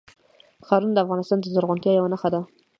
ښارونه د افغانستان د زرغونتیا یوه نښه ده.